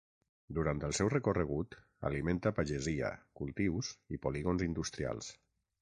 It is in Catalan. Durant el seu recorregut alimenta pagesia, cultius i polígons industrials.